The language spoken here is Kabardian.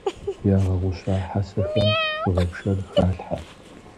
Ягъэгъуща хьэсэхэм щӀыгъэпшэр халъхьэ.